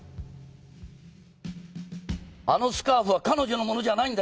あのスカーフは彼女のものじゃない！